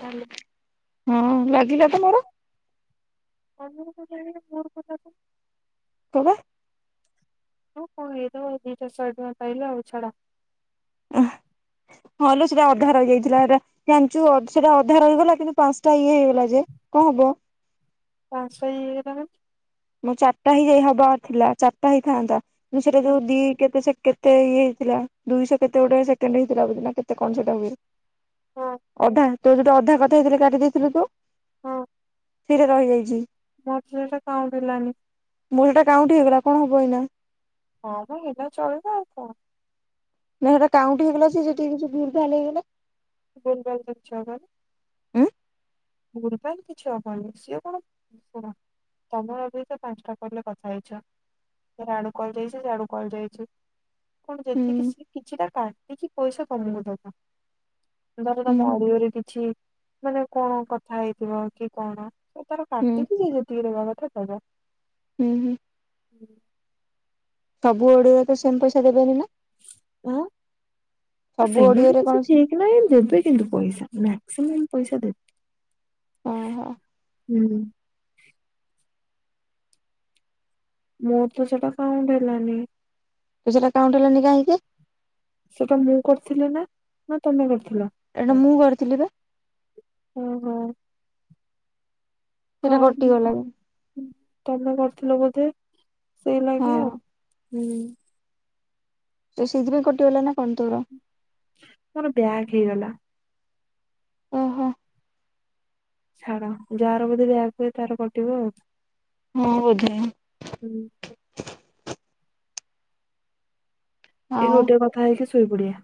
Hello ହଁ ଲାଗିଲା ତ ମୋର। [unintelligible] ମୋର କଥାକୁ କଣ? ତୁ କଣ ଆଉ ଏଇ ଦି ଟା ଶହେ ପାଇିଲୁ ଆଉଛଡା। ହଁଲେ ସେଟା ଅଧା ହେଇଯାଇଥିଲା ସେଟା ଜାଣିଚୁ ସେଟା ଅଧା ହେଇଗଲା କିନ୍ତୁ ପାଞ୍ଚଟା ଇଏ ହେଇଗଲା ଯେ କଣ ହବ। ପାଞ୍ଚଶହ ଇଏ ହେଇଗଲାରେ। ମୁଁ ଚାରିଟା ହେଇ ଯାଇ ହବାର ଥିଲା ଚାରିଟା ହେଇଥାନ୍ତା। ଦୁ ସୋ ମାନେ ଯୋଉ ଦି କେତେ କେତ କେତେ ଇଏ ହେଇଥିଲା, ଦୁଇଶହ କେତେ ଗୋଟେ ସେକେଣ୍ଡ ହେଇଥିଲା ବନା କେତ କଣ ସେଟା ହୁଏ। ହଁ ଅଧା। ତୁ ଯୋଉଟେ ଅଧା କଥା ହେଇଥିଲେ କାଟି ଦେଇଥିଲୁ ତୁ। ହଁ ଥିରେ ରହିଯାଇଚି। ମୋର ତ ସେଇଟା କାଉଣ୍ଟ ହେଲାନି ମଁ ସେଟା କାଉଣ୍ଟ ହେଇଗଲା କଣ ହବ ଏଇନା ହଁବା ସେଇଟା ଚାଲେଇଦବା ଆଉ କଟା ନା ସେଟା କାଉଁଟି ହେଇଗଲା ସେ ସେଠିକି କିଛି ଭୁଲ ଭାଲ ହେଇଗଲା ଭୁଲଭାଲ କିଛି ହବନି ଆ ଭୁଲଭାଲ କିଛି ହବନି ସିଏ କଣ ଶୁ ତମ ଅ ସେ ପାଞ୍ଚଟା କିଲେ କଥା ହେଇଛ ସେ ଆଡୁ କଲ ଯାଇଛି ସେ ଆଡୁ କଲ ଯାଇଛି କଣ ଉଁ ଯେତିକି କିଛି ନା [unintelligible] ପଇସା କମିବ ଦ ଧର ତା ହୁଁ ହୁଁ ବଡିଓରେ କିଛି ମାନେ କଣ କଥା କଥା ହେଇଥିବ କି କଣ ସେ ତାର ହୁଁ କାଟୁଛିି ସେ ଯି [unintelligible] ରହିବା କଥା ହୁଁ ହୁଁ [unintelligible] ସବୁ ଓଡିରେ ତ ସେମ ପଇସା ଦେବେନି ନା ହଁ ସବୁ ସେଇଟା ବି ଓଡିଓରେ କିଛି କଣ ଠିକ ନାହିଁ ଦେବେ କିନ୍ତୁ ପଇସା ମ୍ୟାକ୍ସିମମ୍ ପଇସା ଦେବେ ଓହୋ ହୁଁ ମୁଁ ତ ସେଟା କାଉଣ୍ଟ ହେଲାନି ତୁ ସେଟା କଉଣ୍ଟର ହେଲାନି କାହିଁକି ସେଟା ମୁଁ କରିଥିଲି ନା ନା ତମେ କରି ଏଟା ମୁଁ କରିଥିଲି ବା କ ସେଟା କଟିଗଲା ତମେ କରଥିଲ ବୋଧେ ସେଇ ହଁ ଲାଗେ ଆଉ ହୁଁ ତ ସେଇଥିପାଇଁ କୋଟି ଗଲା ନା କଣ ତର ମୋର ବ୍ୟାଗ ହେଇଗଲା ଓହୋ ଛାଡ ଯାହାର ବଧେ ବ୍ୟାଗ ହୁଏ ତାର କଟିବ ଆଉ ହଁ ବୋଧେ ହୁଁ ଏଇ ଆଉ ଗୋଟେ କଥା ହେଇକି ସୋଇପଡିଆ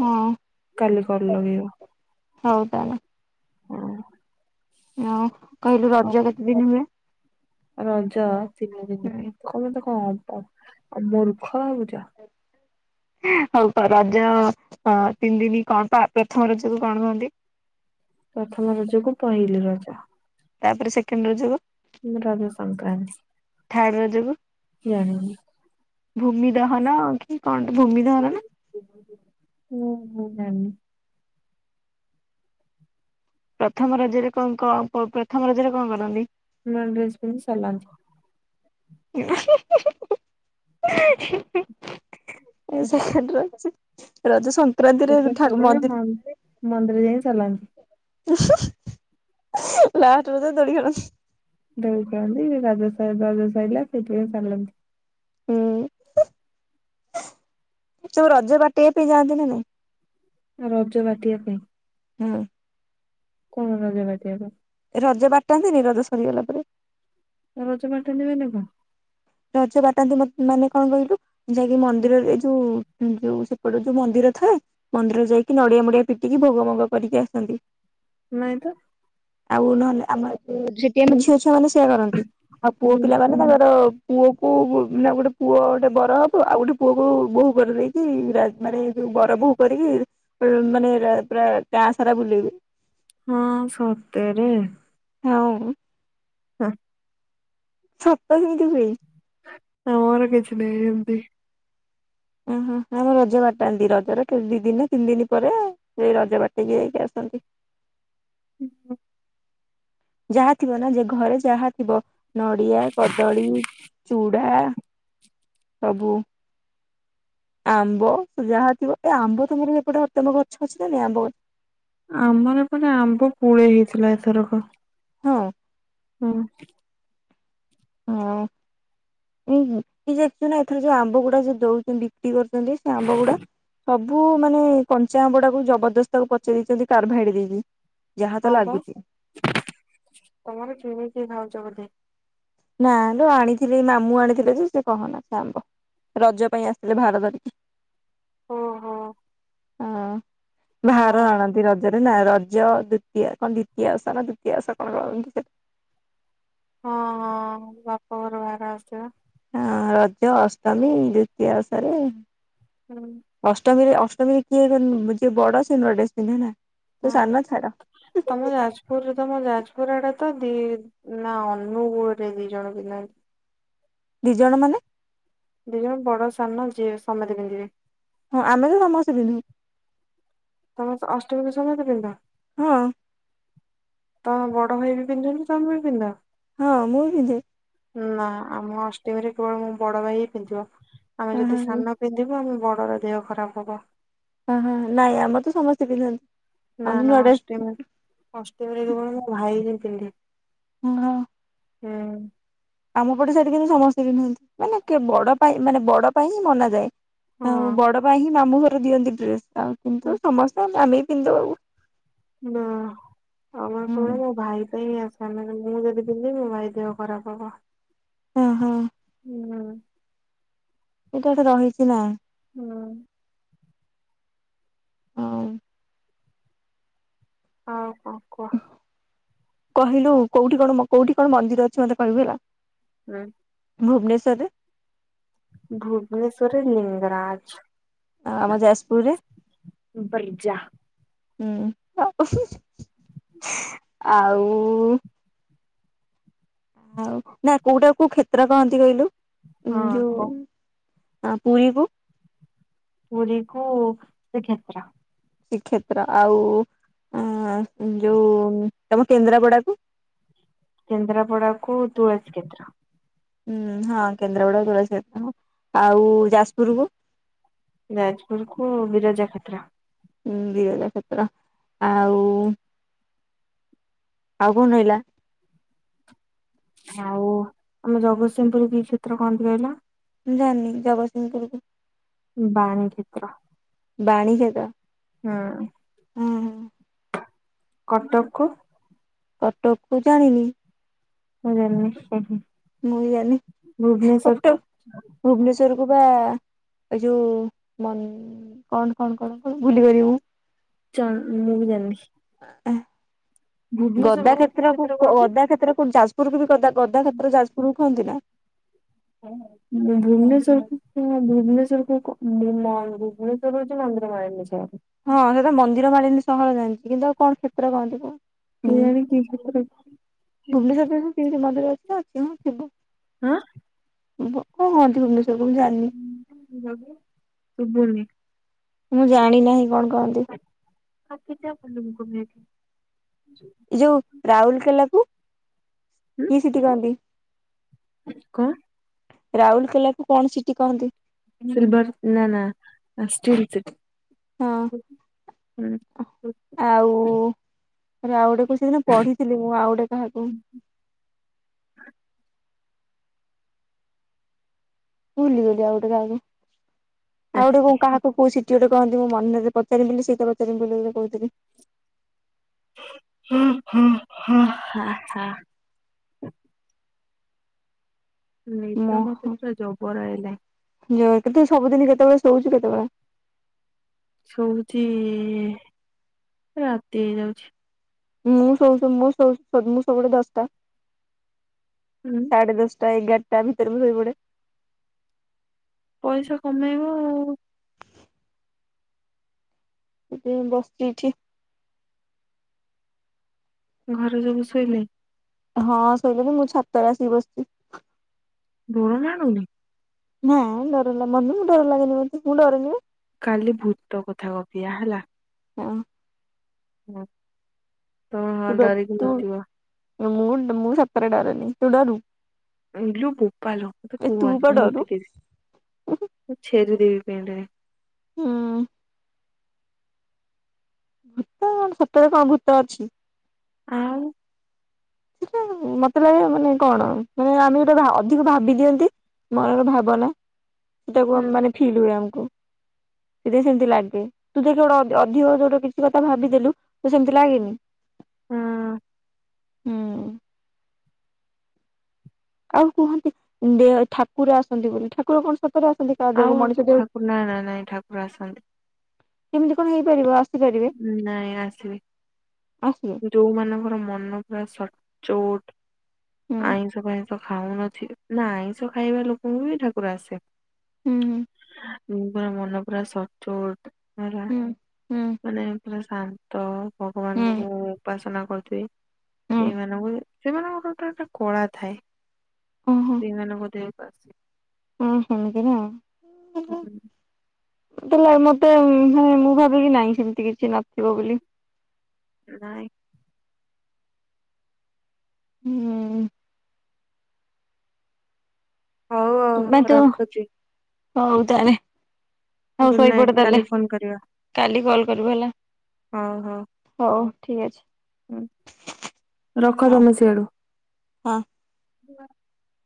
ହଁ କାଲି କ ଲଗିବ ହଉ ତାହେଲେ ହଁ ର ରାଜା ତିନି ଦିନ କମ ହଁ ଆଉ ମୂର୍ଖ ଆଉ ଯ ହଉ ରଜ ତିନି ଦିନି କଣ ପା ପ୍ରଥମ ରଜକୁ କଣ କୁହନ୍ତି? ପ୍ରଥମ ରଜକୁ ପହିଲି ରଜ। ତାପରେ ସେକେଣ୍ଡ ରଜ ହବ। ରଜ ସଂକ୍ରାନ୍ତି ଥାର୍ଡ ରଜକୁ ଜାଣିନି। ଭୂମି ଦହନ କି କଣ ଭୂମିଦହନ ନା ହୁଁ ମୁଁ ଜାଣିନି। ପ୍ରଥମ ରଜରେ କଣ କଣ ପ୍ରଥମ ରଜରେ କଣ କରନ୍ତି? ନୂଆ ଡ୍ରେସ୍ ପିନ୍ଧି ସଇଲା କଣ [unintelligible] [unintelligible] ଏ ସେକେଣ୍ଡ ରଜ। ରଜ ସଂକ୍ ସେତେକ ଦରକାର ମନ ମନ୍ଦିର ଯାଇ ସାରିଲଣି? ଲାଷ୍ଟ ରଜରେ ଦୋଳି ଖେଳନ୍ତି। ଦୋଳି ଖେଳନ୍ତି [unintelligible] ହୁଁ ତୁ ରଜ ବାଟିବା ପାଇଁ ଯାଆନ୍ତି ନା ନାଇଁ? ରଜ ବାଟିବା ପାଇଁ ହଁ। କଣ ରଜ ବାଟିବା ପାଇଁ? ରଜ ବାଟନ୍ତିନି ରଜ ସରିଗଲା ପରେ। ରଜ ବାଟନ୍ତି ମାନେ କଣ? ରଜ ବାଟନ୍ତି ମାନେ କଣ କହିଲୁ ଯାଇକି ମନ୍ଦିରରେ ଯୋଉ ଯୋଉ ସେପଟେ ଯୋଉ ମନ୍ଦିର ଥାଏ ମନ୍ଦିର ଯାଇକି ନଡିଆ ମଡିଆ ପିଟିକି ଭୋଗ ମୋଗ କରିକି ଆସନ୍ତି। ନାଇଁ ତ। ଆଉ ନହେଲେ ଆମର ଏତେ ସେଠି ଆମ ଝିଅ ଛୁଆ ମାନେ ସେଇଆ କରନ୍ତି। ଆଉ ପୁଅ ହୁଁ। ପିଲାମାନେ ତାଙ୍କର ପୁଅକୁ ମାନେ ଗୋଟେ ପୁଅ ଗୋଟେ ବର ହବ ଆଉ ଗୋଟେ ପୁଅକୁ ବୋହୂ କରିଦେଇକି ମାନେ ଏ ବର ବୋହୂ କରିକି ମାନେ ପୁରା ଗାଁ ସାରା ବୁଲେଇବେ। ହଁ ସତେରେ । ଆଉ। ସତ ସେମିତି ହୁଏ? ଆମର କିଛି ନାହିଁ ଏମତି। ଓହୋ ଆମ ରଜ ବାଟନ୍ତି ରଜର ଦି ଦିନ ତିନି ଦିନ ପରେ ସେଇ ରଜ ବାଟିକି ଯାଇକି ଆସନ୍ତି। ହୁଁ ହୁଁ। ଯାହା ଥିବ ନା ଯେ ଘରେ ଯାହା ଥିବ ନଡ଼ିଆ କଦଳୀ ଚୁଡା ସବୁ ଆମ୍ବ ଯାହା ଥିବ ଏ ଆମ୍ବ ତମର ସେପଟେ ଅତ୍ୟମ ଗଛ ଅଛି ନା ନାଇଁ ଆମ୍ବ ଆମର ଏପଟେ ଆମ୍ବ ପୁଳେ ହେଇଥିଲା ଏଥରକ। ହଁ। ହଁ। ହଁଁ ଏଇ ଜାଣିଛୁ ନା ଏଥର ଯୋଉ ଆମ୍ବ ଗୁଡା ଯୋଉ ଦଉଛନ୍ତି ବିକ୍ରି କରୁ ଛନ୍ତି ସେ ଆମ୍ବ ଗୁଡା ସବୁ ସବୁ ମାନେ କଞ୍ଚା ଆମ୍ବଡା କୁ ଜବରଦସ୍ତକୁ ପଚେଇ ଦେଇଛନ୍ତି କାର୍ଭ ହଡି ଦେଇକି। ଯାହା ହଁ ତ ଲାଗୁଛି ବାସ [inaudible] ତମର କିମ କିି ଖାଉଛ ବୋଧେ। ନା ଲୋ ଆଣିଥିଲି ମାମୁଁ ଆଣିଥିଲେ ଯେ ସେ କହନା ସେ ଆମ୍ବ ରଜ ପାଇଁ ଆସିଥିଲେ ଭାର ଧରିକି ଓ ହୋ। ହଁ। ବାହାର ଆଣନ୍ତି ରଜ ନା ରଜ ଦୂତି ଦିତିଆ [unintelligible] ଉଷା ନା କଣ ଦ୍ଵିତୀୟ ଆସା ନା ଦ୍ଵିତୀୟ ଆସା କଣ କର ସୋ ହଁ ହଁ ବାପା ଘରୁ ଭାର ଆସିବ। ହଁ ରଜ ଅଷ୍ଟମୀ ଦ୍ଵିତୀୟା ଉଷାରେ ଅଷ୍ଟମୀରେ ଅ ତମ କିଏ ଯିଏ ବଡ ସେ ନୂଆ ଡ୍ରେସ ପିନ୍ଧେ ନା। ତୁ ହଁ ସାନ ଛାଡ। ତମ ଯାଜପୁରରେ ତମ ଯାଜପୁର ଆଡେ ତ ଦି ନା ଅନୁଗୋଳରେ ବି ଜଣେ ପିନ୍ଧନ୍ତି। ଦୁଇ ଜଣ ମାନେ। ଦି ଜଣ ବଡ ସାନ ଯିଏ ସମତେ ପିନ୍ଧିବେ। ହଁ ଆମେ ତ ସମସ୍ତେ ପିନ୍ଧୁ। ତମେ ଅଷ୍ଟମୀକୁ ସମତେ ପିନ୍ଧ। ହଁ। ତ ବଡ ଭ ବି ପିନ୍ଧୁନ ତମେ ବି ପିନ୍ଧ [unintelligible] ହଁ ମୁଁ ବି ଦେ ନା ଆମ ଅଷ୍ଟମୀରେ କେବଳ ମୋ ବଡ ଭାଇ ହି ପିନ୍ଧିବ। ଆମେ ଯଦି ହଁ ସାନ ପିନ୍ଧିବୁ ଆମେ ବ ଘର [unintelligible] ଦେହ ଖରାପ ହବ ଓହୁଁ ନାଇଁ ଆମର ତ ସମସ୍ତେ ପିନ୍ଧନ୍ତି। ନା ଆମେ ନା ନୂଆ ଡ୍ରେସ ଅଷ୍ଟମୀ ଅଷ୍ଟମୀ ରେ କେବଳ ମ ଭାଇ ି [unintelligible] ହଁ [unintelligible] ହୁଁ। ଆମ ପଟେ ସେଠି କିନ୍ତୁ ସମସ୍ତେ ପିନ୍ଧନ୍ତି ମାନେ ବଡ ପାଇଁ ମାନେ ବଡ ପାଇଁ ହିଁ ମନାଯାଏ। ଆଉ ହଁ ବଡ ପାଇଁ ହିଁ ମାମୁଁ ଘର ଦିଅନ୍ତି ଡ୍ରେସ୍। ଆଉ କିନ୍ତୁ ସମସ୍ତେ ଆମେ ମି କିନ୍ଦ ହୁ [unintelligible] ନା ଆମର କଣ ହେଲା ମୋ ଭାଇ ପାଇଁଁ ଆସ୍ ସେମାନେ ମୁଁ ଯଦି ପିନ୍ଧିବି ମୋ ଭାଇ ଦେହ ଖରାପ ହବ। ହଁ ହଁ। ହୁଁ। ଏଇଟା ଏଟେ ରହିଛି ନା। ହୁଁ। ହଁ ହଁ। [unintelligible] କହିଲୁ କୋଉଠି କଣ ମ କୋଉଠି କଣ ମନ୍ଦିର ଅଛି ମତେ କହିବୁ ହେଲା? ହୁଁ। ଭୁବନେଶ୍ୱରରେ? ଭୁବନେଶ୍ଵରରେ ଲିଙ୍ଗରାଜ୍। ଆଉ ଆମ ଯାଜପୁରରେ ବର୍ଜା ହୁଁ [unintelligible] ଆଉ ଆଉ ନା କୋଉଟା କୋଉ କ୍ଷେତ୍ର କହନ୍ତି କହିଲୁ? ହଁ କହ। ଆଁ ପୁରୀକୁ? ପୁରୀକୁ ଶୀକ୍ଷେତ୍ର। ଶୀକ୍ଷେତ୍ର, ଆଉ ଉଁ ଯୋଉ ତମ କେନ୍ଦ୍ରାପଡାକୁ? କେନ୍ଦ୍ରାପଡାକୁ ତୁଳସୀ କେତ୍ର। ହୁଁ ହଁ କେନ୍ଦ୍ରାପଡାକୁ ତୁଳସୀକ୍ଷେତ୍ର ଆଉ ଯାଜପୁରକୁ? ଯାଜପୁରକୁ ବିରଜା କ୍ଷେତ୍ର। ଉଁ-ଉଁ ବିରଜାକ୍ଷେତ୍ର ଆଉ ଆଉ କଣ ରହିଲା? ଆଉ ଆମ ଜଗତସିଂହପୁରକୁ କି କ୍ଷେତ୍ର କହନ୍ତି କହିଲ? ମୁଁ ଜାଣିନି ଜଗତସିଂହପୁରକୁ ବାଣୀ କ୍ଷେତ୍ର। ବାଣୀ ଖେତ? ହୁଁ-ଉଁ। କଟକକୁ? କଟକକୁ ଜାଣିନି। ମୁଁ ବି [unintelligible] ମୁଁ ବି ଜାଣିନି, କଟକ କୁ ଭୁବନେଶ୍ଵରକୁ ପା ଏ ଯୋଉ-ଉ-ଉ ମ କଣ-କଣ-କଣ-କଣ ଭୁଲି ଗଲି ମ। ଚ ମୁଁ ବି ଜାଣିନି। ହୁଁ। ଭୁବନେଶ୍ୱର ଗଦା କୁ କି କ୍ଷେତ୍ରକୁ କ୍ଷେତ୍ର କହନ୍ତି ଗଦା କ୍ଷେତ୍ରକୁ ଯାଜ୍ ପୁରୀକୁ ବି ଗଦକ୍ ଗଦାକ୍ଷେତ୍ର ଯାଜପୁରକୁ କୁହନ୍ତି ନା? [inaudible] ଭୁବନେଶ୍ବରକୁ ହଁ ଭୁବନେଶ୍ବରକୁ କଣ [inaudible] ମନ୍ଦିର ମାଳିନୀ ସହର। ହଁ ସେଟା ମନ୍ଦିର ମାଳିନୀ ସହର ଜାଣିଛି କିନ୍ତୁ ଆଉ କଣ କ୍ଷେତ୍ର କହନ୍ତି କହ? ହୁଁ କେଜାଣି କି କ୍ଷେତ୍ର ଭୁବନେଶ୍ବର [unintelligible] [unintelligible] ଥିବ। ଆଁ। [unintelligible] ତୁ ବୁଲି ମୁଁ ଜାଣି ନାହିଁ କଣ କହନ୍ତି [unintelligible] ଏଇ ଯୋଉ ରାଉଲୁକେଲା କୁ ହୁଁ କି ସିଟି କହନ୍ତି? କଣ ରାଉଲୁକେଲାକୁ କଣ ସିଟି କହନ୍ତି? ସିଲଭର ନା ନା ଷ୍ଟିଲ ସିଟି? ହଁ ହୁଁ। ରାଉଡ ମୁଁ ସେଦିନ ପଢିଥିଲି ମୁଁ ଆଉ ଗୋଟେ କାହାକୁ? ଭୁଲି ଗଲି ଆଉ ଗୋଟେ କହାକୁ। ଆଉ ଗୋଟେ କହାକୁ କଉ ସିଟି ଗୋଟେ କହନ୍ତି ମୁଁ ମନରେ ପଚାରିି ବୋଲି ସେଇତ ପଚାରିବି ବୋଲି କହୁଥିଲି। ହୁଁ ହୁଁ ହଁ ହ ହ। ନିଦ ମତେ ମୋହନ ପୁର ଜବର ଆଇଲା। ଏ ତୁ ସବୁଦିନ କେତେବେଳେ ଶୋଉଛୁ କେତେବେଳେ? ଶୋଉଛି ରାତି ହେଇ ଯାଉଛି। ମୁଁ ସୋଉ ମୁଁ ସୋଉ ମୁଁ ସବୁଳେ ଦଶଟା। ହୁଁ ସାଢ଼େ ଦଶ ଟା ଏଗାରଟା ଭିତରେ ମୁଁ ଶୋଇପଡ଼େ। ପଇସା କମେଇବ ଆଉ। ସେ ବସିଛି। ଘର ସବୁ ଶୋଇଲେ? ହଁ ଶୋଇଲେନି ମୁଁ ଛାତରେ ଆସିକି ବସିଛି। ଧର ଜଣୁନି [unintelligible] ହଁ ଡର ଲଲା [unintelligible] ମନୁ ମୁଁ ଡର ଲାଗେନି ମୋତେ ମୁଁ ଡରେନି। କାଲି ଭୂତ କଥା ଗଫିବା ହେଲା। ହ। ହଁ ହ ହଁ ତୁ ଡ ଦରିକୁ ତୁ ମୂତିବ। ମୁଁ ମୁଁ ସତରେ ଡରେନି ତୁ ଡରୁ? ଇଲୋ ବୋପାଲ ଏ ତୁ ପା କୁହନି ଡରୁ ମୁଁତିଦେବି ମୁଁ ଛେରି ଦେ ପଣ୍ଡ [unintelligible] ହୁଁ। ଭୂତ କଣ ସତରେ କଣ ଭୂତ ଅଛି? ଆଉ। [inaudible] ମତେ ଲାଗେ ମାନେ କଣ ମାନେ ଆମେ ଗୋଟେ ଅଧିକ ଭାବି ଦିଅନ୍ତି ମନର ଭାବନା। ସେ ତାକୁ ମାନେ ଫିଲ୍ ହୁଏ ଆମକୁ। ସେ ଯେ ସେମତି ଲାଗେ ତୁ ଦେଖେ ଗୋଟେ ଅଧି ଅଧିକ ଜଉଟା କିଛି କଥା ଭାବିଦେଲୁ ତ ସେମିତି ଲାଗେନି। ହଁ। ହୁଁ। ଆଉ କୁହନ୍ତି ଦେ ଠାକୁର ଆସନ୍ତି ବୋଲି ଠାକୁର କଣ? ସତରେ ଆସନ୍ତି କାହା ଦେହକୁ ଆଉ ମଣିଷ ଦେହକୁ? ଠାକୁର ନା ନାନା ନାଇ ନାଇଁ ଠାକୁର ଆସନ୍ତି। କେମିତି କଣ ହେଇପାରିବ? ଆସ୍ ନାଇଁ ଆସିବେ ଆସିବେ। ଯୋଉମାନଙ୍କର ମନ ପୁରା ସ ଚଉଟ ହୁଁ ଆଇଁସ ଫାଇଁସ ଖ ଖାଉନଥି ନା ଆଇଁଷ ଖାଇବା ଲୋକଙ୍କୁ ବି ଠାକୁର ଆସେ। ହୁଁ ହୁଁ। ମୁଁ ପୁରା ମନ ପୁରା ସଚୋଟ। ହେଲା ହୁଁ ହୁଁ ହୁଁ ମାନେ ପୁରା ଶାନ୍ତ। ଭଗବାନ। ହୁଁ ହୁ ଉପାସନା। ହୋଇଥେ। ହୁଁ ଏଇ ମାନଙ୍କୁ ସେମାନଙ୍କର ଗୋଟେ ଟ ଟ ଟ କଳା ଥାଏ। ଓହୋ ସେଇମାନେ ବୋଧେ ହଁ ହମଦିରା। ହୁଁ ତେଲେ ମତେ ମୁଁ -ମୁଁ ଭାବିକି ନାଇଁ ସେମିତି କିଛି ନଥିବ ବୋଲି। ନାଇଁ ହୁଁ। ହଉ ହଉ ବା ତୁ ରଖୁଚି। ହଉ ତାରେ ହଉ ନାଇଟ୍ ଶୋଇପଡ଼ ତାଲେ କାଲି ଫୋନ କରିବା କାଲି କଲ କରିବୁ ହେଲା ହଉ। ଠିକ୍ ଅଛି। ହୁଁ ରଖ ହଉ ତମେ ସିଆଡୁ। ହଁ। [inaudible]